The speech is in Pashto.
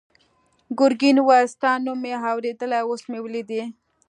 ګرګین وویل ستا نوم مې اورېدلی اوس مې ولیدې.